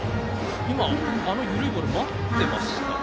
今、あの緩いボール待っていましたか？